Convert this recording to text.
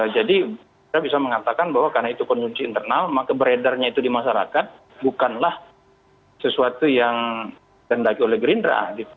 jadi saya bisa mengatakan bahwa karena itu konsumsi internal maka beredarnya itu di masyarakat bukanlah sesuatu yang dendaki oleh gerindra